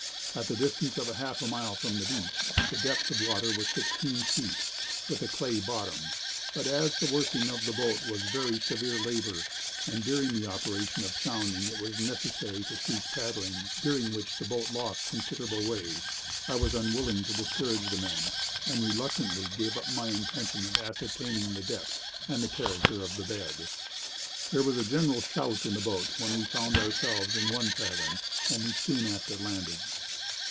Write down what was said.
At the distance of half a mile from the beach, the depth of water was sixteen feet, with a clay bottom; but, as the working of the boat was very severe labor, and during the operation of sounding it was necessary to cease paddling, during which the boat lost considerable way, I was unwilling to discourage the men, and reluctantly gave up my intention of ascertaining the depth, and the character of the bed. There was a general shout in the boat when we found ourselves in one fathom, and we soon after landed.'"